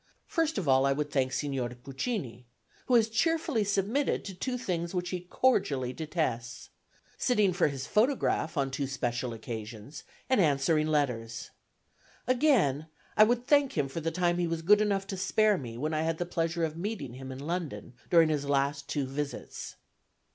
First of all I would thank Signor Puccini, who has cheerfully submitted to two things which he cordially detests sitting for his photograph on two special occasions and answering letters. Again would I thank him for the time he was good enough to spare me when I had the pleasure of meeting him in London during his last two visits.